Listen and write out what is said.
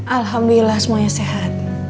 alhamdulillah semuanya sehat